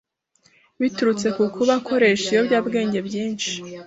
biturutse ku kuba akoresha ibiyobyabwenge byinshi,